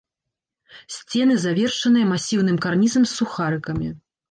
Сцены завершаныя масіўным карнізам з сухарыкамі.